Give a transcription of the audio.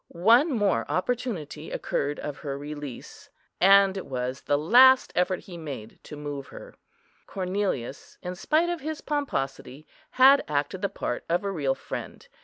One more opportunity occurred of her release, and it was the last effort he made to move her. Cornelius, in spite of his pomposity, had acted the part of a real friend.